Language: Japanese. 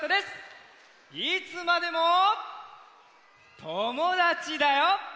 いつまでもともだちだよ。